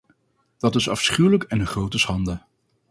Dat is afschuwelijk en een grote schande.